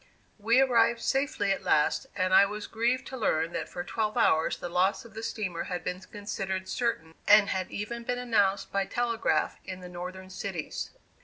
We arrived safely at last, and I was grieved to learn that for twelve hours the loss of the steamer had been considered certain, and had even been announced by telegraph in the Northern cities.